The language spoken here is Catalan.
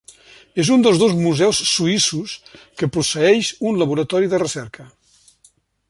És un dels dos museus suïssos que posseeix un laboratori de recerca.